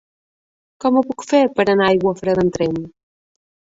Com ho puc fer per anar a Aiguafreda amb tren?